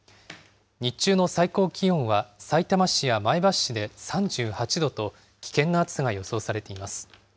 日中の最高気温はさいたま市や前橋市で３８度と、危険な暑さが予想されています。